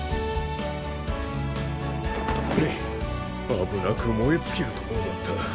あぶなくもえつきるところだった。